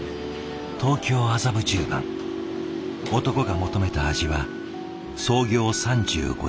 男が求めた味は創業３５年の焼き肉店。